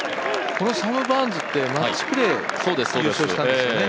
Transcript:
このサム・バーンズってマッチプレーで優勝したんですよね。